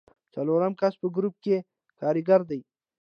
څلورم کس په ګروپ کې کاریګر دی.